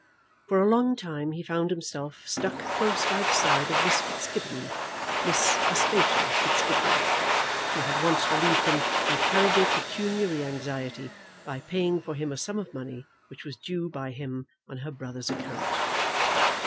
For a long time he found himself stuck close by the side of Miss Fitzgibbon, Miss Aspasia Fitzgibbon, who had once relieved him from terrible pecuniary anxiety by paying for him a sum of money which was due by him on her brother's account.